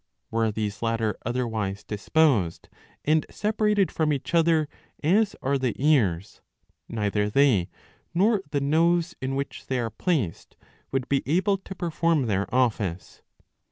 Were these latter otherwise disposed and separated from each other as are the ears, neither they nor the nose in which they are placed would be able to perform their office.